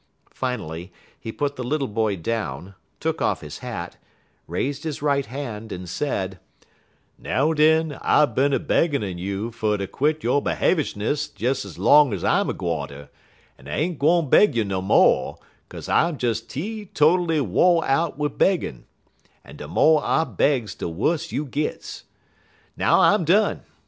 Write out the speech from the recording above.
Finally, he put the little boy down, took off his hat, raised his right hand, and said: "Now, den, I bin a beggin' un you fer ter quit yo' 'haveishness des long ez I'm a gwinter, en I ain't gwine beg you no mo', 'kaze I'm des teetotally wo' out wid beggin', en de mo' I begs de wuss you gits. Now I'm done!